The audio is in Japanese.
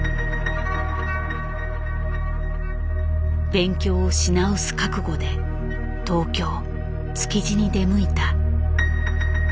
勉強をし直す覚悟で東京・築地に出向いた。